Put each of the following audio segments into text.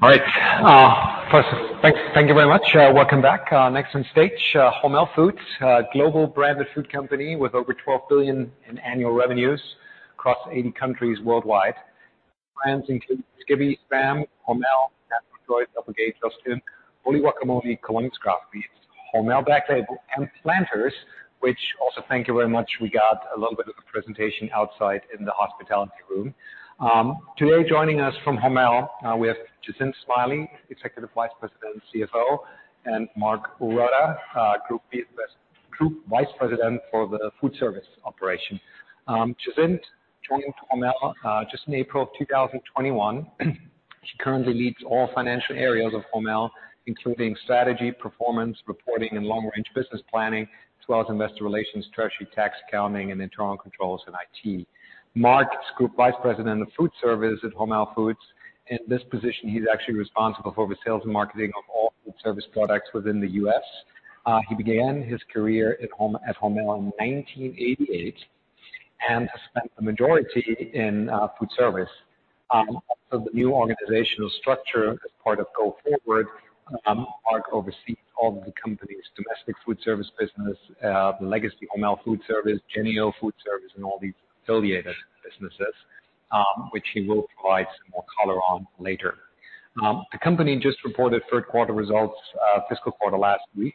All right. First, thank you very much. Welcome back. Next on stage, Hormel Foods, a global branded food company with over $12 billion in annual revenues across 80 countries worldwide. Brands include Skippy, SPAM, Hormel Natural Choice, Applegate, Justin's, Wholly Guacamole, Columbus Craft Meats, Hormel Black Label, and Planters, which also thank you very much we got a little bit of a presentation outside in the hospitality room. Today, joining us from Hormel, we have Jacinth Smiley, Executive Vice President and CFO; and Mark Ourada, Group Vice President for the Foodservice operations. Jacinth joined Hormel just in April of 2021. She currently leads all financial areas of Hormel, including strategy, performance, reporting and long-range business planning, as well as Investor Relations, Treasury, tax, accounting, and internal controls and IT. Mark is Group Vice President of Foodservice at Hormel Foods. In this position, he's actually responsible for the sales and marketing of all Foodservice products within the U.S. He began his career at Hormel in 1988 and has spent the majority in Foodservice. So, the new organizational structure as part of Go Forward, Mark oversees all the company's domestic Foodservice business, legacy Hormel Foodservice, Jennie-O Foodservice, and all the affiliated businesses, which he will provide some more color on later. The company just reported third quarter results, fiscal quarter last week.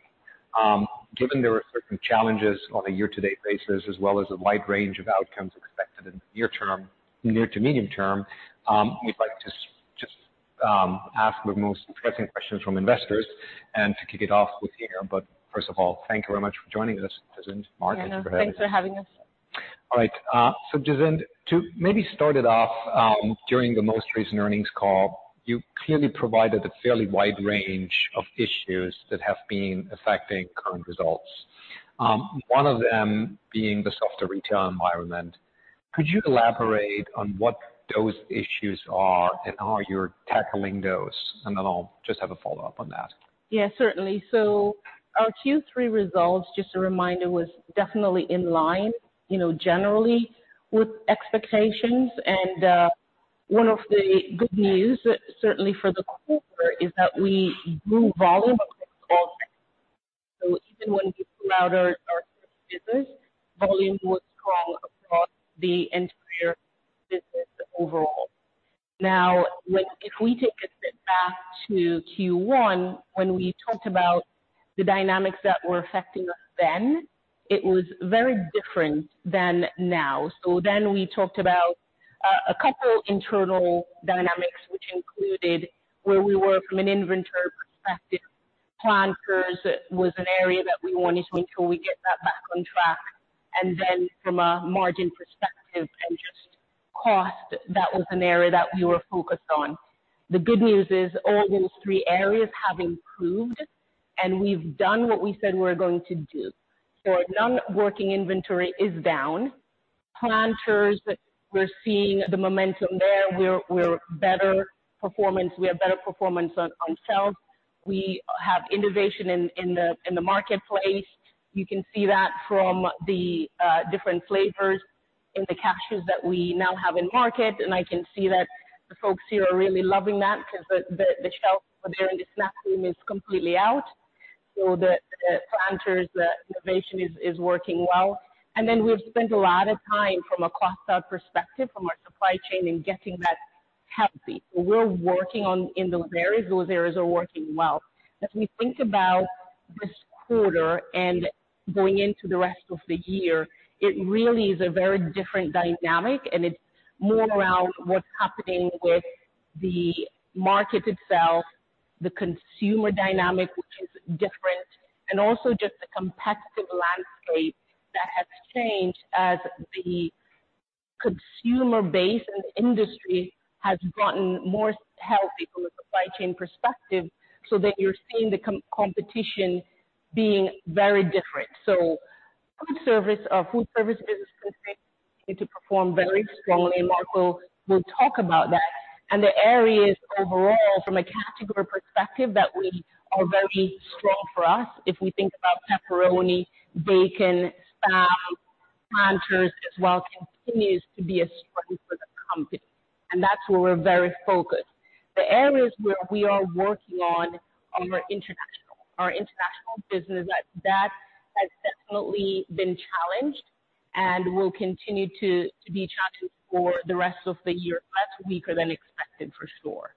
Given there were certain challenges on a year-to-date basis as well as a wide range of outcomes expected in the near term, near to medium term, we'd like to just ask the most pressing questions from investors and to kick it off with you. But first of all, thank you very much for joining us, Jacinth, Mark. Thanks for having us. All right. So Jacinth, to maybe start it off, during the most recent earnings call, you clearly provided a fairly wide range of issues that have been affecting current results. One of them being the softer turkey environment. Could you elaborate on what those issues are and how you're tackling those? And then I'll just have a follow-up on that. Yeah, certainly. So, our Q3 results, just a reminder, was definitely in line, you know, generally with expectations. And one of the good news, certainly for the quarter, is that we grew volume. So even when we allowed our business, volume was strong across the entire business overall. Now, if we take a step back to Q1, when we talked about the dynamics that were affecting us then, it was very different than now. So, then we talked about, a couple internal dynamics, which included where we were from an inventory perspective. Planters was an area that we wanted to make sure we get that back on track, and then from a margin perspective and just cost, that was an area that we were focused on. The good news is all those three areas have improved, and we've done what we said we were going to do. So non-working inventory is down. Planters, we're seeing the momentum there. We're better performance. We have better performance on sales. We have innovation in the marketplace. You can see that from the different flavors in the cashews that we now have in market. And I can see that the folks here are really loving that because the shelf there in the snack room is completely out. So the Planters innovation is working well. And then we've spent a lot of time from a cost out perspective, from our supply chain and getting that healthy. We're working on those areas, those areas are working well. As we think about this quarter and going into the rest of the year, it really is a very different dynamic, and it's more around what's happening with the market itself, the consumer dynamic, which is different, and also just the competitive landscape that has changed as the consumer base and the industry has gotten more healthy from a supply chain perspective, so that you're seeing the competition being very different. So, Foodservice, our Foodservice business continues to perform very strongly, Mark will talk about that. And the areas overall from a category perspective, that we are very strong for us. If we think about pepperoni, bacon, SPAM, and Planters as well, continues to be a strength for the company, and that's where we're very focused. The areas where we are working on are our International. Our International business, that has definitely been challenged and will continue to be challenged for the rest of the year. That's weaker than expected for sure.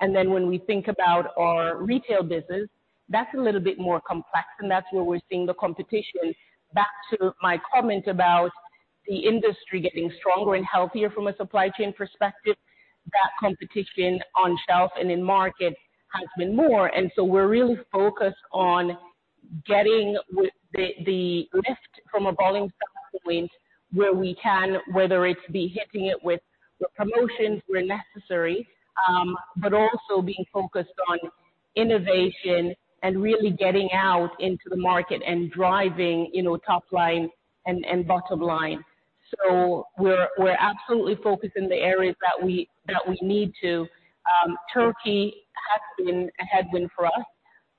And then when we think about our Retail business, that's a little bit more complex, and that's where we're seeing the competition. Back to my comment about the industry getting stronger and healthier from a supply chain perspective. That competition on shelf and in market has been more, and so we're really focused on getting with the lift from a low point where we can, whether it be hitting it with promotions where necessary, but also being focused on innovation and really getting out into the market and driving, you know, top line and bottom line. So we're absolutely focused in the areas that we need to. Turkey has been a headwind for us.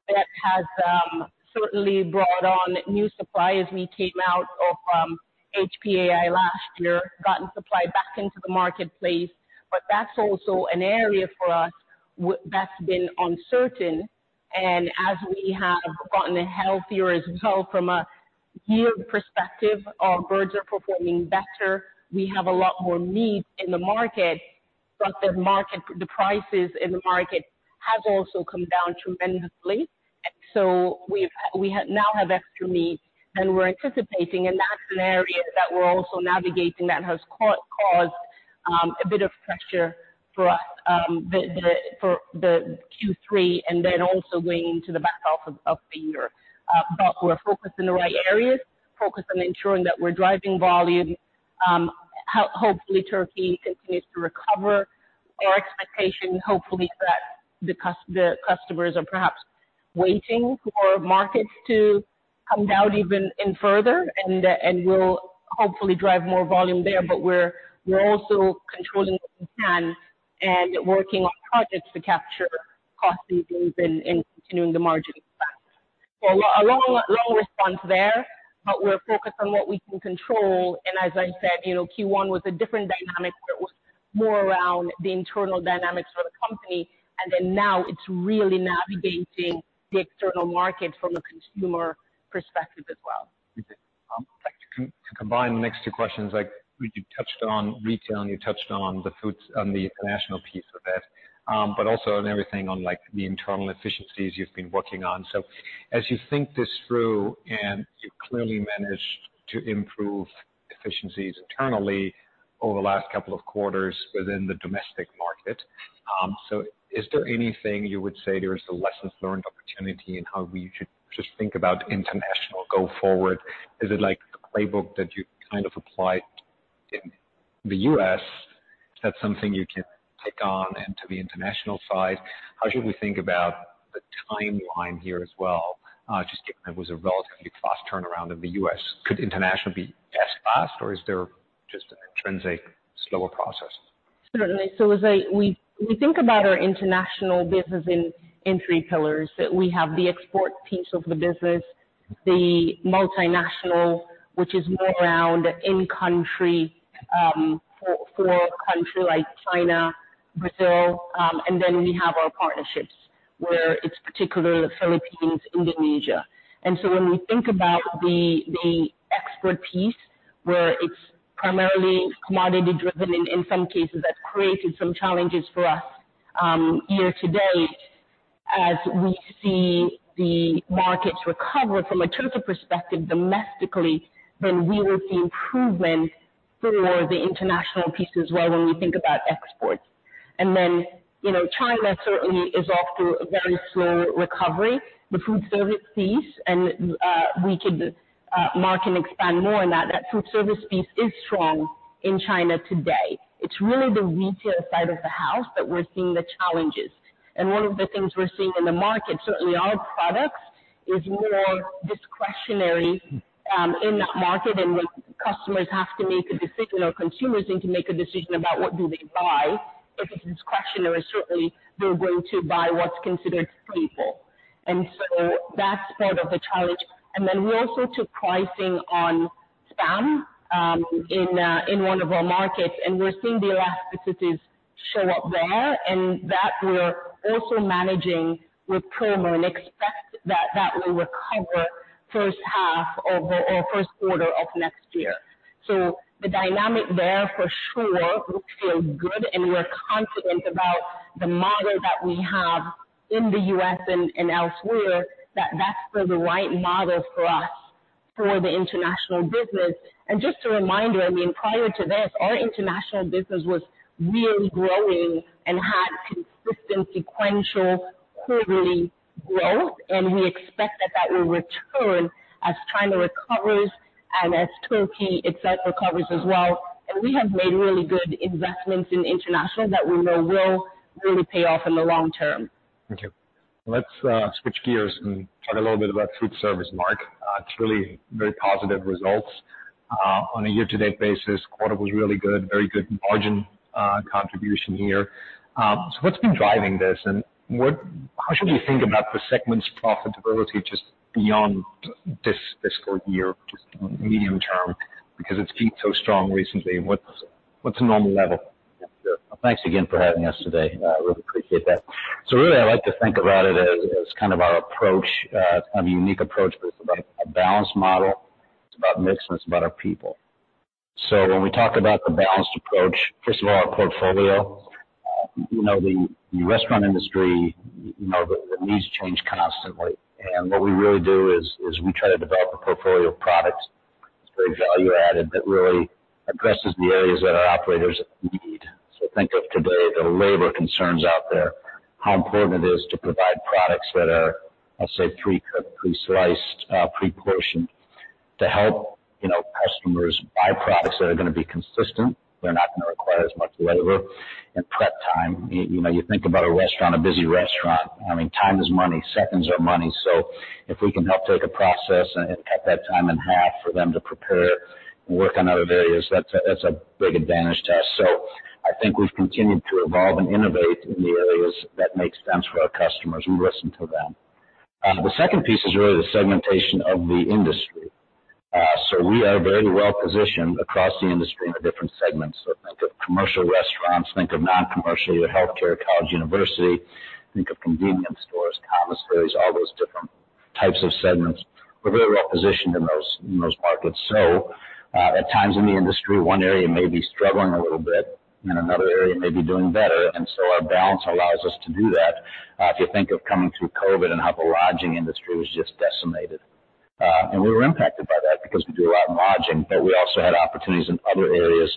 That has certainly brought on new supply as we came out of HPAI last year, gotten supply back into the marketplace. But that's also an area for us that's been uncertain. And as we have gotten healthier as well from a yield perspective, our birds are performing better. We have a lot more meat in the market, but the market, the prices in the market has also come down tremendously. So we now have extra meat, and we're anticipating, and that's an area that we're also navigating that has caused a bit of pressure for us, for the Q3 and then also weighing into the back half of the year. But we're focused in the right areas, focused on ensuring that we're driving volume. Hopefully, turkey continues to recover. Our expectation, hopefully, is that the customers are perhaps waiting for markets to come down even further, and we'll hopefully drive more volume there. But we're also controlling what we can and working on projects to capture cost savings and continuing the margin expansion. So a long, long response there, but we're focused on what we can control. And as I said, you know, Q1 was a different dynamic, but it was more around the internal dynamics for the company, and then now it's really navigating the external market from a consumer perspective as well. To combine the next two questions, like, you touched on Retail, and you touched on the foods, on the International piece of it, but also on everything on, like, the internal efficiencies you've been working on. So, as you think this through, and you clearly managed to improve efficiencies internally over the last couple of quarters within the domestic market, so is there anything you would say there is a lesson learned opportunity in how we should just think about International going forward? Is it liking the playbook that you kind of applied in the U.S., that's something you can take on into the International side? How should we think about the timeline here as well, just given it was a relatively fast turnaround in the U.S.? Could International be as fast, or is there just an intrinsic slower process? Certainly. So we think about our International business in three pillars. That we have the export piece of the business, the multinational, which is more around in country for a country like China, Brazil, and then we have our partnerships, where it's particularly the Philippines, Indonesia. And so when we think about the export piece, where its primarily commodity driven, in some cases, that's created some challenges for us year-to-date. As we see the markets recover from a turkey perspective domestically, then we will see improvement for the International piece as well when we think about exports. And then, you know, China certainly is off to a very slow recovery. The Foodservice piece, and we could, Mark can expand more on that, that Foodservice piece is strong in China today. It's really the Retail side of the house that we're seeing the challenges. And one of the things we're seeing in the market, certainly our products, is more discretionary, in that market. And when customers have to make a decision, or consumers need to make a decision about what do they buy, if it's discretionary, certainly they're going to buy what's considered affordable. And so that's part of the challenge. And then we also took pricing on SPAM, in one of our markets, and we're seeing the elasticities show up there, and that we're also managing with promo and expect that will recover first half of, or first quarter of next year. The dynamic there for sure looks pretty good, and we're confident about the model that we have in the U.S. and, and elsewhere, that that's still the right model for us for the International business. Just a reminder, I mean, prior to this, our International business was really growing and had consistent sequential quarterly growth, and we expect that that will return as China recovers and as turkey itself recovers as well. We have made really good investments in International that we know will really pay off in the long term. Thank you. Let's switch gears and talk a little bit about Foodservice, Mark. It's really very positive results. On a year-to-date basis, quarter was really good, very good margin, contribution here. So what's been driving this, and what, how should we think about the segment's profitability just beyond this fiscal year, just medium term? Because it's been so strong recently. What's a normal level? Thanks again for having us today. I really appreciate that. So really, I like to think about it as, as kind of our approach, kind of a unique approach, but it's about a balanced model, it's about mix, and it's about our people. So when we talk about the balanced approach, first of all, our portfolio. You know, the restaurant industry, you know, the needs change constantly, and what we really do is we try to develop a portfolio of products that's very value added, that really addresses the areas that our operators need. So think of today, the labor concerns out there, how important it is to provide products that are, I'll say, pre-cut, pre-sliced, pre-portioned, to help, you know, customers buy products that are gonna be consistent. They're not gonna require as much labor and prep time. You know, you think about a restaurant, a busy restaurant, I mean, time is money, seconds are money. So if we can help take a process and cut that time in half for them to prepare and work on other areas, that's a, that's a big advantage to us. So, I think we've continued to evolve and innovate in the areas that make sense for our customers. We listen to them. The second piece is really the segmentation of the industry. So we are very well positioned across the industry in the different segments. So think of commercial restaurants, think of non-commercial, your healthcare, college, university, think of convenience stores, commissaries, all those different types of segments. We're very well positioned in those, in those markets. So, at times in the industry, one area may be struggling a little bit, and another area may be doing better. Our balance allows us to do that. If you think of coming through COVID and how the lodging industry was just decimated. And we were impacted by that because we do a lot of lodging, but we also had opportunities in other areas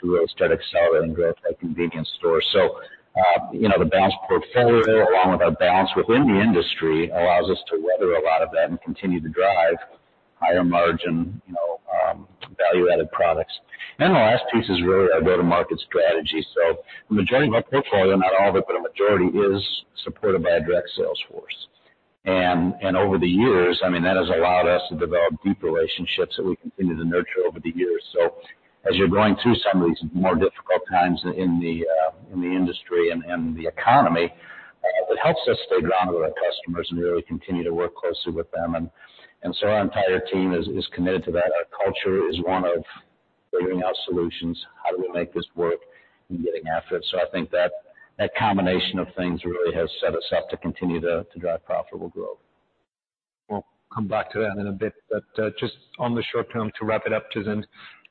to really start accelerating growth, like convenience stores. So, you know, the balanced portfolio, along with our balance within the industry, allows us to weather a lot of that and continue to drive higher margin, you know, value-added products. And the last piece is really our go-to-market strategy. So the majority of our portfolio, not all of it, but a majority, is supported by our direct sales force. And over the years, I mean, that has allowed us to develop deep relationships that we continue to nurture over the years. As you're going through some of these more difficult times in the industry and the economy, it helps us stay grounded with our customers and really continue to work closely with them. And so our entire team is committed to that. Our culture is one of figuring out solutions. How do we make this work? And getting after it. So I think that combination of things really has set us up to continue to drive profitable growth. We'll come back to that in a bit, but just on the short term, to wrap it up, Jacinth.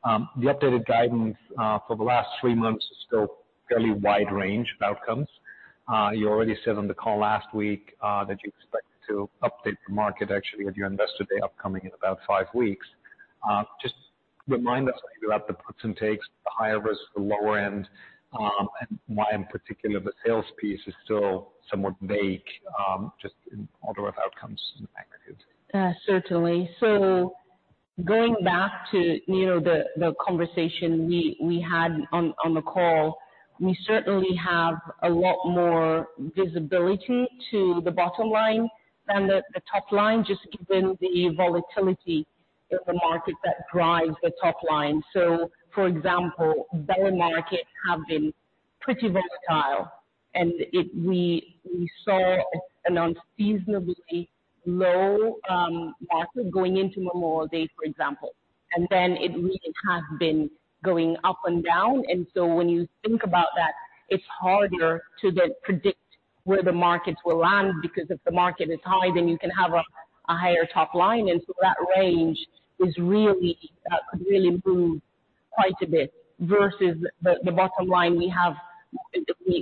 The updated guidance for the last three months is still a fairly wide range of outcomes. You already said on the call last week that you expect to update the market actually with your Investor Day upcoming in about five weeks. Just remind us maybe about the puts and takes, the higher risk, the lower end, and why in particular the sales piece is still somewhat vague, just in order of outcomes in the aggregate. Certainly. So going back to, you know, the conversation we had on the call, we certainly have a lot more visibility to the bottom line than the top line, just given the volatility in the market that drives the top line. So, for example, beef markets have been pretty volatile, and we saw an unseasonably low market going into Memorial Day, for example, and then it really has been going up and down. And so when you think about that, it's harder to predict where the markets will land, because if the market is high, then you can have a higher top line. And so that range is really could really move quite a bit versus the bottom line we have.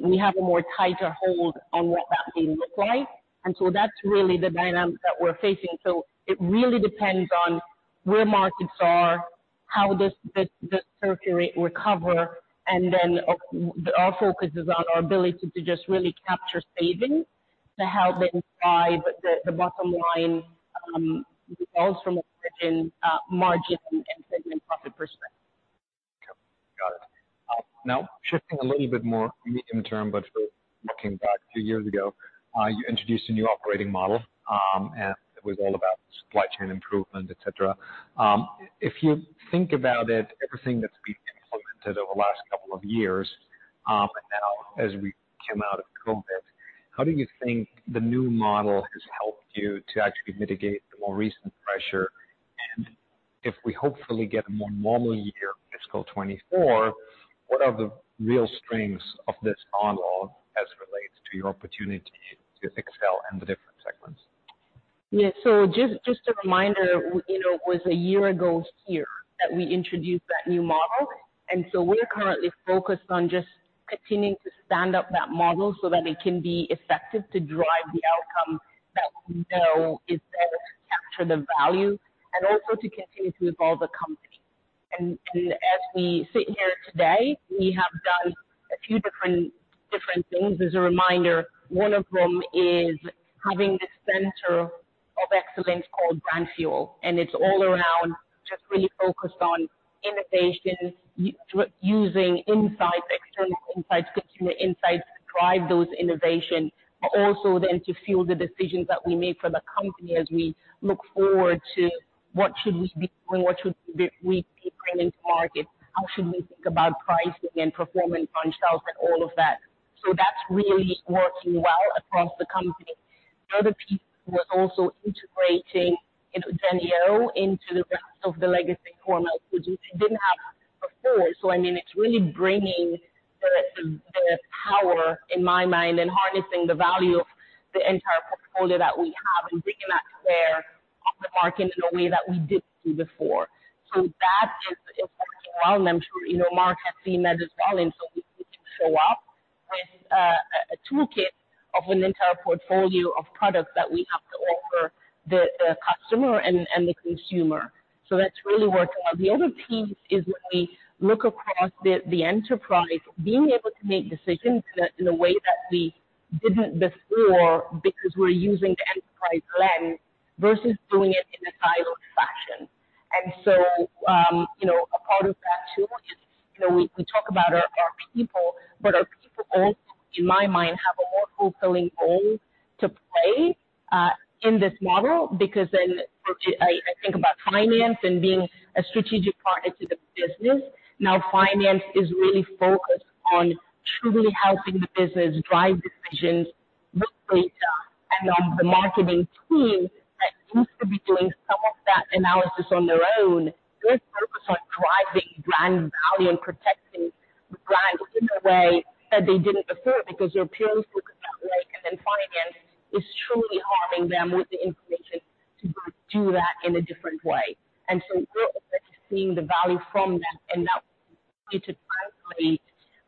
We have a tighter hold on what that may look like, and so that's really the dynamic that we're facing. So, it really depends on where markets are, how does the turkey recover, and then our focus is on our ability to just really capture savings to help them drive the bottom-line results from a margin and segment profit perspective. Got it. Now, shifting a little bit more medium term, but still looking back a few years ago. You introduced a new operating model, and it was all about supply chain improvement, et cetera. If you think about it, everything that's been implemented over the last couple of years, and now as we come out of COVID, how do you think the new model has helped you to actually mitigate the more recent pressure? And if we hopefully get a more normal year, fiscal 2024, what are the real strengths of this model as it relates to your opportunity to excel in the different segments? Yeah. So just a reminder, you know, it was a year ago here that we introduced that new model, and so we're currently focused on just continuing to stand up that model so that it can be effective to drive the outcome that we know is there to capture the value and also to continue to evolve the company. And as we sit here today, we have done a few different things. As a reminder, one of them is having this center of excellence called Brand Fuel, and it's all around just really focused on innovation, using insights, external insights, consumer insights, to drive those innovations. But also then to fuel the decisions that we make for the company as we look forward to what should we be doing, what should be we bringing to market? How should we think about pricing and performance on shelves and all of that? So that's really working well across the company. The other piece, we're also integrating Jennie-O into the rest of the legacy Hormel, which we didn't have before. So, I mean, it's really bringing the power in my mind, and harnessing the value of the entire portfolio that we have and bringing that to bear on the market in a way that we didn't do before. So that is working well, and I'm sure, you know, Mark has seen that as well. And so, we need to show up with a toolkit of an entire portfolio of products that we have to offer the customer and the consumer. So that's really working well. The other piece is when we look across the, the enterprise, being able to make decisions in a, in a way that we didn't before because we're using the enterprise lens versus doing it in a siloed fashion. And so, you know, a part of that, too, is, you know, we, we talk about our, our people, but our people also, in my mind, hopefully all to play in this model, because then, I, I think about finance and being a strategic partner to the business. Now, finance is really focused on truly helping the business drive decisions with data. On the marketing team that used to be doing some of that analysis on their own, they're focused on driving brand value and protecting the brands in a way that they didn't before, because their peers looked at that way, and then finance is truly helping them with the information to go do that in a different way. And so we're seeing the value from that, and that to translate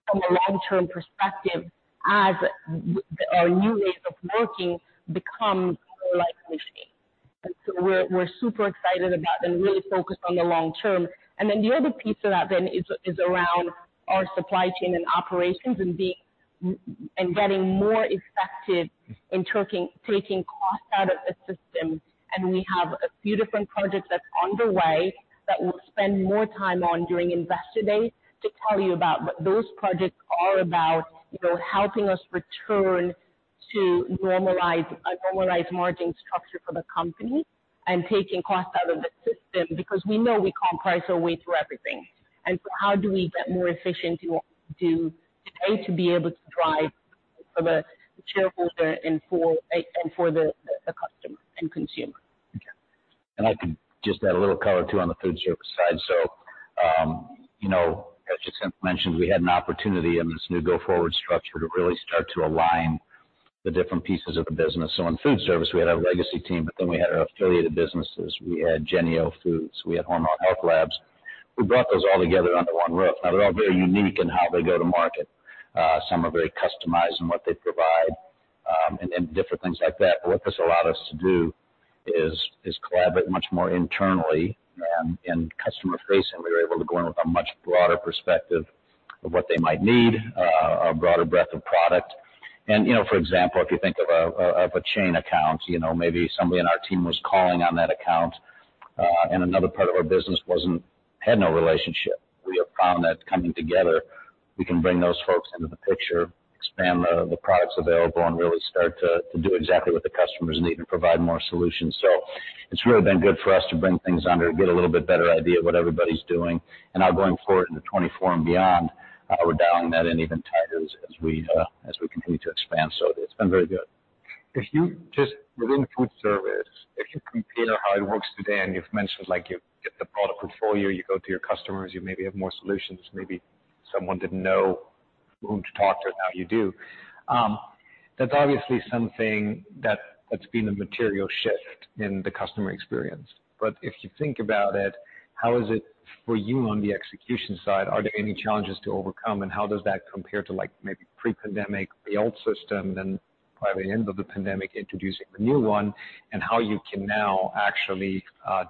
from a long-term perspective as our new ways of working become more like listening. And so we're super excited about and really focused on the long term. And then the other piece of that then is around our supply chain and operations and being and getting more effective in taking costs out of the system. We have a few different projects that's on the way that we'll spend more time on during Investor Day to tell you about. But those projects are about, you know, helping us return to normalize, a normalized margin structure for the company and taking costs out of the system, because we know we can't price our way through everything. And so how do we get more efficient to be able to drive for the shareholder and for the customer and consumer? Okay. And I can just add a little color, too, on the Foodservice side. So, you know, as Jacinth mentioned, we had an opportunity in this Go Forward structure to really start to align the different pieces of the business. So, in Foodservice, we had our legacy team, but then we had our affiliated businesses. We had Jennie-O Foods, we had Hormel Health Labs. We brought those all together under one roof. Now, they're all very unique in how they go to market. Some are very customized in what they provide, and, and different things like that. But what this allowed us to do is, is collaborate much more internally, and customer facing. We were able to go in with a much broader perspective of what they might need, a broader breadth of product. You know, for example, if you think of a chain account, you know, maybe somebody in our team was calling on that account, and another part of our business wasn't had no relationship. We have found that coming together, we can bring those folks into the picture, expand the products available, and really start to do exactly what the customers need and provide more solutions. So it's really been good for us to bring things under, get a little bit better idea of what everybody's doing. Now going forward into 2024 and beyond, we're dialing that in even tighter as we continue to expand. So it's been very good. If you just within Foodservice, if you compare how it works today, and you've mentioned, like, you get the product portfolio, you go to your customers, you maybe have more solutions, maybe someone didn't know whom to talk to, now you do. That's obviously something that, that's been a material shift in the customer experience. But if you think about it, how is it for you on the execution side? Are there any challenges to overcome, and how does that compare to, like, maybe pre-pandemic, the old system, then by the end of the pandemic, introducing the new one, and how you can now actually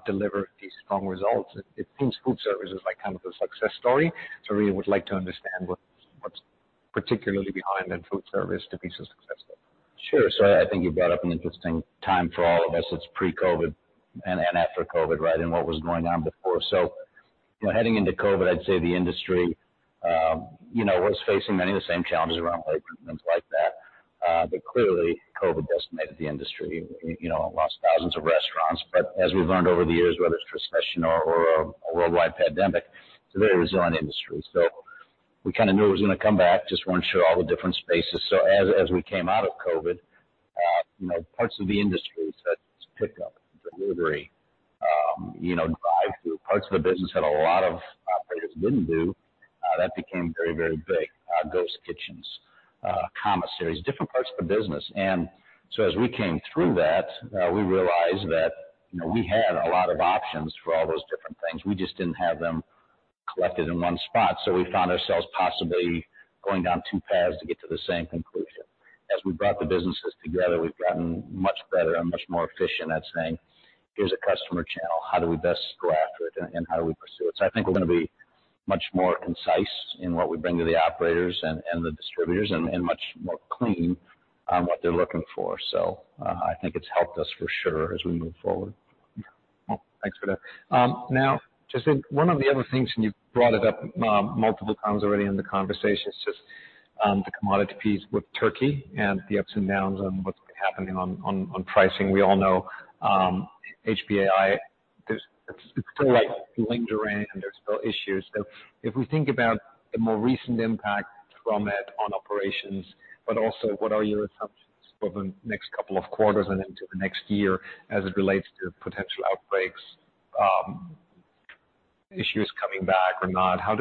deliver these strong results? It seems Foodservice is like kind of the success story. So, I really would like to understand what, what's particularly behind the Foodservice to be so successful. Sure. So I think you brought up an interesting time for all of us. It's pre-COVID and after COVID, right? What was going on before. So, you know, heading into COVID, I'd say the industry, you know, was facing many of the same challenges around labor and things like that. But clearly, COVID decimated the industry. You know, lost thousands of restaurants. But as we've learned over the years, whether it's recession or a worldwide pandemic, it's a very resilient industry. So, we kinda knew it was gonna come back, just weren't sure all the different spaces. So as we came out of COVID, you know, parts of the industry had picked up delivery, you know, drive-through. Parts of the business that a lot of operators didn't do, that became very, very big. Ghost kitchens, commissaries, different parts of the business. And so as we came through that, we realized that, you know, we had a lot of options for all those different things. We just didn't have them collected in one spot. So we found ourselves possibly going down two paths to get to the same conclusion. As we brought the businesses together, we've gotten much better and much more efficient at saying: Here's a customer channel. How do we best go after it, and, and how do we pursue it? So I think we're gonna be much more concise in what we bring to the operators and, and the distributors and, and much more clean on what they're looking for. So, I think it's helped us for sure as we move forward. Well, thanks for that. Now, Jacinth, one of the other things, and you've brought it up, multiple times already in the conversation, is just the commodity piece with turkey and the ups and downs on what's happening on pricing. We all know HPAI, there's, it's still like lingering, and there's still issues. So if we think about the more recent impact from it on operations, but also what are your assumptions for the next couple of quarters and into the next year as it relates to potential outbreaks, issues coming back or not? How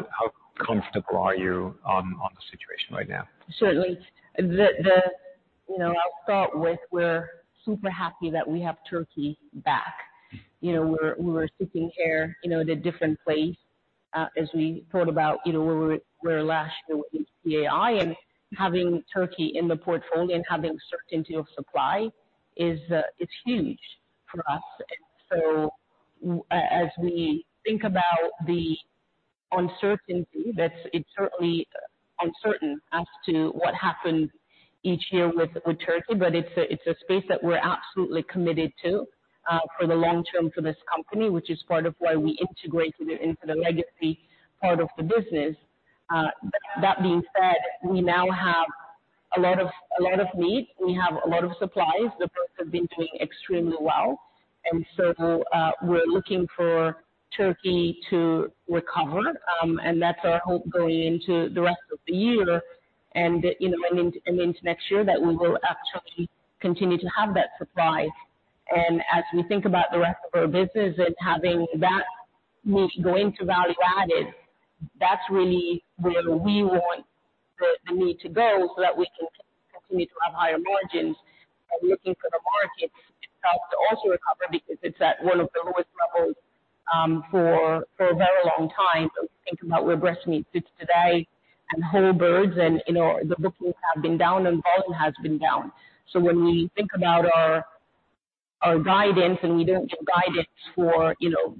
comfortable are you on the situation right now? Certainly. You know, I'll start with we're super happy that we have turkey back. You know, we were sitting here, you know, in a different place, as we thought about, you know, where we were last year with HPAI and having turkey in the portfolio and having certainty of supply is, it's huge for us. And so as we think about the uncertainty, it's certainly uncertain as to what happened each year with turkey, but it's a space that we're absolutely committed to for the long term for this company, which is part of why we integrated it into the legacy part of the business. But that being said, we now have a lot of meat, we have a lot of supplies. The birds have been doing extremely well, and so we're looking for turkey to recover. And that's our hope going into the rest of the year and, you know, and into next year, that we will actually continue to have that supply. And as we think about the rest of our business and having that meat go into value added, that's really where we want the meat to go so that we can continue to have higher margins. And looking for the market itself to also recover because it's at one of the lowest levels for a very long time. So think about where breast meat sits today, and whole birds and, you know, the bookings have been down and volume has been down. When we think about our guidance, and we don't do guidance for, you know,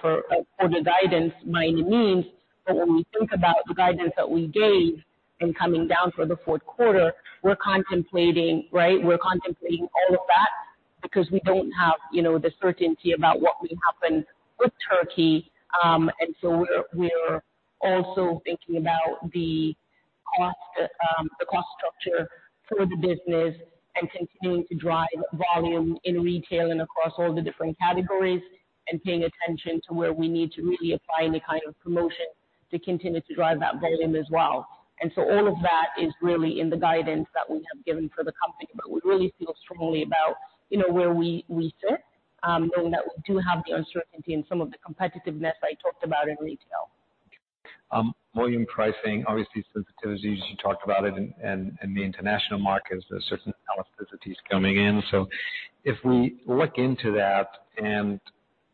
for the guidance, by any means, but when we think about the guidance that we gave in coming down for the fourth quarter, we're contemplating, right? We're contemplating all of that because we don't have, you know, the certainty about what will happen with turkey. We're also thinking about the cost, the cost structure for the business and continuing to drive volume in Retail and across all the different categories and paying attention to where we need to really apply any kind of promotion to continue to drive that volume as well. And so, all of that is really in the guidance that we have given for the company. But we really feel strongly about, you know, where we sit, knowing that we do have the uncertainty and some of the competitiveness I talked about in Retail. Volume pricing, obviously sensitivities, you talked about it, and the International markets, there's certain elasticities coming in. So if we look into that and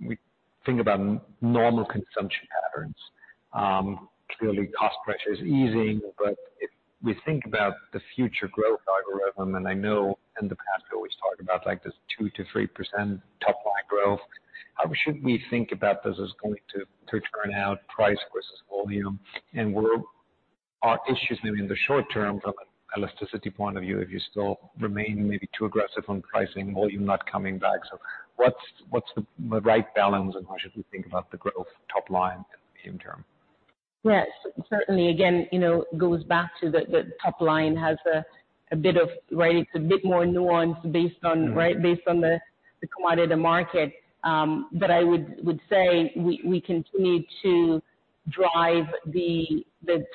we think about normal consumption patterns, clearly cost pressure is easing, but if we think about the future growth algorithm, and I know in the past you always talk about, like, this 2%-3% top line growth, how should we think about this is going to turn out price versus volume? And where are issues maybe in the short term, from an elasticity point of view, if you still remain maybe too aggressive on pricing, volume not coming back. So what's the right balance, and how should we think about the growth top line in the medium term? Yes, certainly, again, you know, goes back to the top line has a bit of, right, it's a bit more nuanced based on the commodity market. But I would say we continue to drive the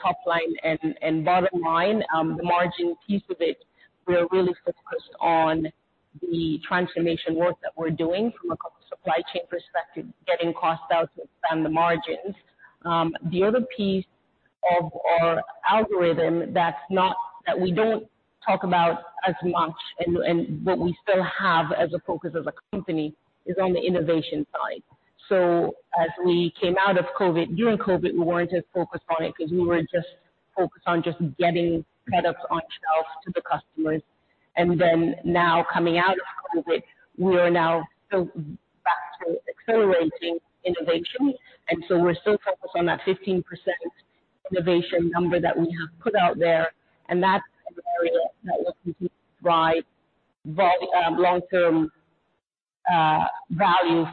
top line and bottom line, the margin piece of it. We're really focused on the transformation work that we're doing from a cost-supply chain perspective, getting costs out to expand the margins. The other piece of our algorithm that's not that we don't talk about as much, but we still have as a focus as a company, is on the innovation side. So as we came out of COVID, during COVID, we weren't as focused on it because we were just focused on getting products on shelves to the customers. Then now coming out of COVID, we are now back to accelerating innovation. So we're still focused on that 15% innovation number that we have put out there, and that's an area that will continue to drive volume, long-term value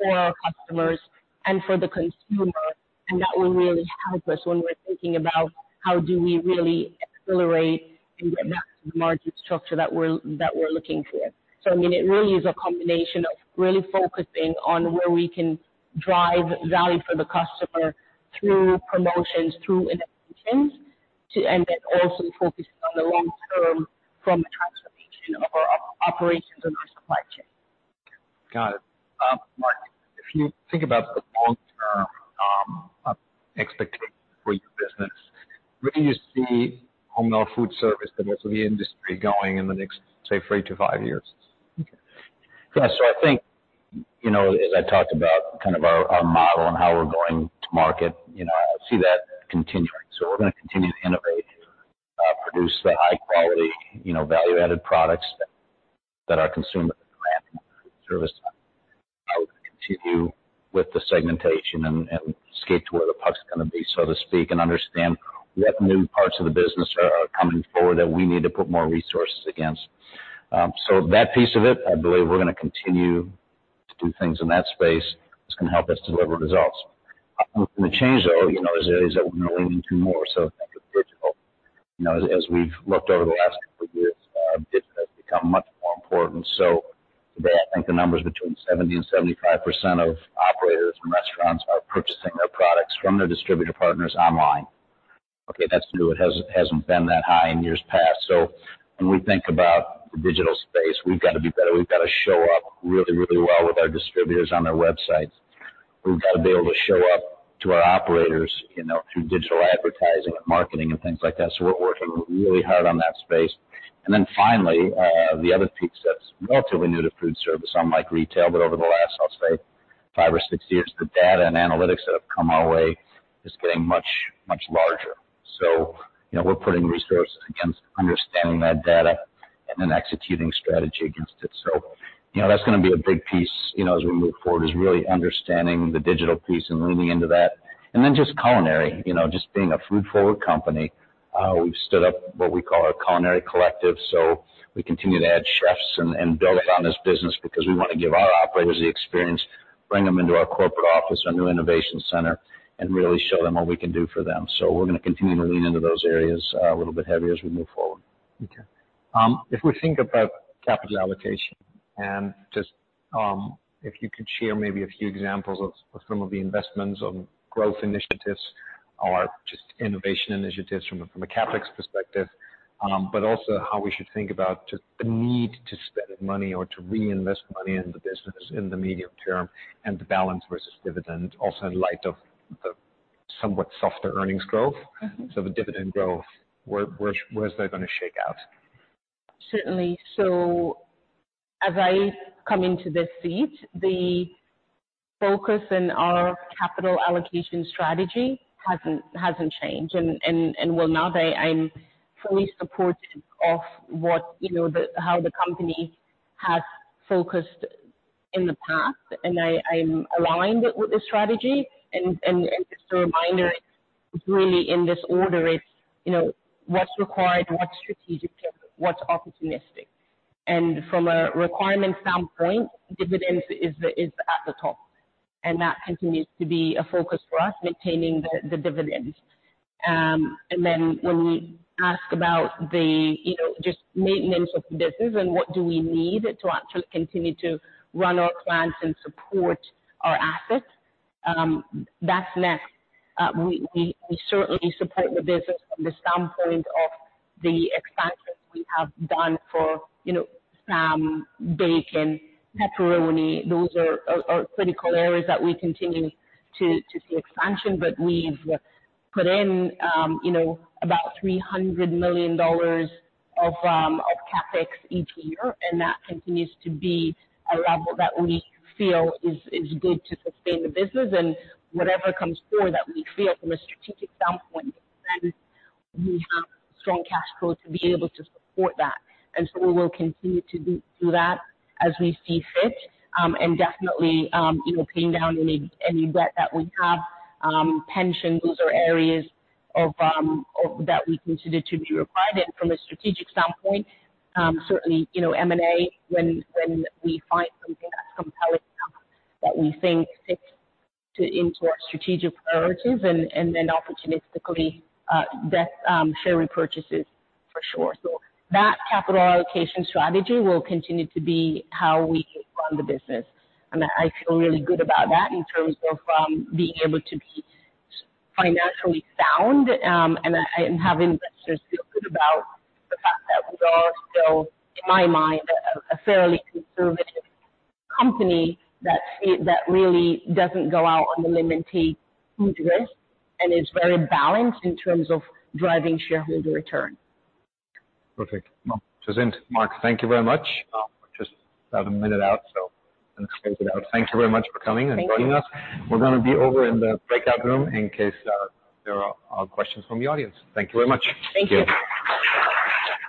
for our customers and for the consumer. And that will really help us when we're thinking about how we really accelerate and get back to the market structure that we're looking for. So I mean, it really is a combination of really focusing on where we can drive value for the customer through promotions, through innovations, and then also focusing on the long term, from a transformation of our operations and our supply chain. Got it. Mark, if you think about the long-term expectations for your business, where do you see Hormel Foodservice, the rest of the industry, going in the next, say, three to five years? Yeah. So I think, you know, as I talked about kind of our model and how we're going to market, you know, I see that continuing. So we're gonna continue to innovate, produce the high quality, you know, value-added products that are for Foodservice. I would continue with the segmentation and skate to where the puck is gonna be, so to speak, and understand what new parts of the business are coming forward that we need to put more resources against. So that piece of it, I believe we're gonna continue to do things in that space that's gonna help us deliver results. We change, though, you know, there's areas that we're leaning to more. So think of digital. You know, as we've looked over the last couple years, digital has become much more important. I think the number is between 70% and 75% of operators and restaurants are purchasing their products from their distributor partners online. Okay, that's new. It hasn't been that high in years past. So, when we think about the digital space, we've got to do better. We've got to show up really, really well with our distributors on their websites. We've got to be able to show up to our operators, you know, through digital advertising and marketing and things like that. So, we're working really hard on that space. And then finally, the other piece that's relatively new to Foodservice, unlike Retail, but over the last, I'll say five or six years, the data and analytics that have come our way is getting much, much larger. So, you know, we're putting resources against understanding that data and then executing strategy against it. You know, that's gonna be a big piece, you know, as we move forward, is really understanding the digital piece and leaning into that. And then just culinary, you know, just being a Food Forward company. We've stood up what we call our Culinary Collective. So, we continue to add chefs and build on this business because we want to give our operators the experience, bring them into our corporate office, our new innovation center, and really show them what we can do for them. So, we're gonna continue to lean into those areas a little bit heavier as we move forward. Okay. If we think about capital allocation, and just, if you could share maybe a few examples of some of the investments on growth initiatives or just innovation initiatives from a CapEx perspective, but also how we should think about just the need to spend money or to reinvest money in the business in the medium term and the balance versus dividend, also in light of the somewhat softer earnings growth. So the dividend growth, where is that gonna shake out? Certainly. So, as I come into this seat, the focus in our capital allocation strategy hasn't changed and will not. I'm fully supportive of what, you know, the how the company has focused on the past, and I'm aligned with the strategy. And just a reminder, it's really in this order, you know, what's required, what's strategic, what's opportunistic. And from a requirement standpoint, dividends are at the top, and that continues to be a focus for us, maintaining the dividends. And then when we ask about you know, just maintenance of the business and what do we need to actually continue to run our plants and support our assets, that's next. We certainly support the business from the standpoint of the expansions we have done for you know, SPAM, bacon, pepperoni. Those are critical areas that we continue to see expansion. But we've put in, you know, about $300 million of CapEx each year, and that continues to be a level that we feel is good to sustain the business and whatever comes forward that we feel from a strategic standpoint, then we have strong cash flow to be able to support that. And so we will continue to do that as we see fit. And definitely, you know, paying down any debt that we have, pensions, those are areas of that we consider to be required. And from a strategic standpoint, certainly, you know, M&A, when we find something that's compelling enough that we think fits into our strategic priorities and then opportunistically, debt, share repurchases for sure. That capital allocation strategy will continue to be how we run the business. I feel really good about that in terms of being able to be financially sound, and having investors feel good about the fact that we are still, in my mind, a fairly conservative company that really doesn't go out on a limb and take huge risks and is very balanced in terms of driving shareholder return. Perfect. Well, Jacinth, Mark, thank you very much. Just about a minute out, so let's close it out. Thank you very much for coming and joining us. Thank you. We're gonna be over in the breakout room in case there are questions from the audience. Thank you very much. Thank you.